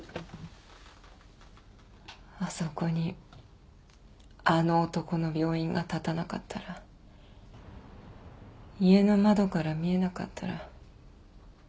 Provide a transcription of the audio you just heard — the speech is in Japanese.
あそこにあの男の病院が建たなかったら家の窓から見えなかったら。